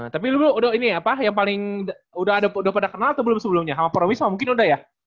tapi dulu udah ini apa yang paling udah pada kenal atau belum sebelumnya sama prowisa mungkin udah ya